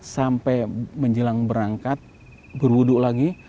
sampai menjelang berangkat berwudu lagi